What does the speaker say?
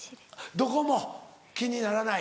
どこも気にならない？